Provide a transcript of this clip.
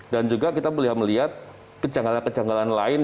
dan juga kita boleh melihat kejanggalan kejanggalan lain